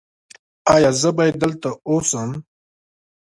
ایا زه باید دلته اوسم؟